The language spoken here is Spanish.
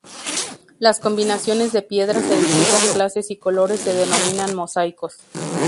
Las combinaciones de piedras de distintas clases y colores se denominan mosaicos.